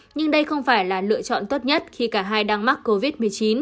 nhưng đây không phải là lựa chọn tốt nhất khi cả hai đang mắc covid một mươi chín